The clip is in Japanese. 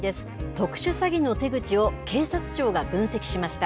特殊詐欺の手口を警察庁が分析しました。